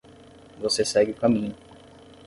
Você segue o caminho